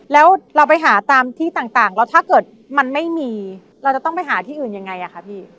แล้วเราไปหาตามที่ต่างแล้วถ้าเกิดมันไม่มีเราจะต้องไปหาที่อื่นยังไงอะคะพี่